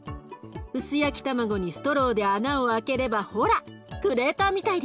薄焼き卵にストローで穴を開ければほらクレーターみたいでしょ？